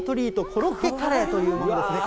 コロッケカレーというものですね。